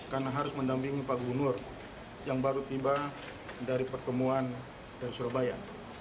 karena harus mendampingi pak gubernur yang baru tiba dari pertemuan dari surabaya